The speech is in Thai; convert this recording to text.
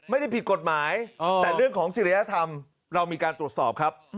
ไม่ได้ผิดกฎหมายแต่เรื่องของจริยธรรมเรามีการตรวจสอบครับ